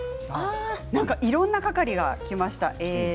いろんな係がきました。